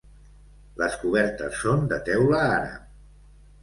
Les cobertes són de teula àrab.